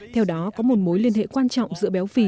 theo đó có một mối liên hệ quan trọng giữa béo phì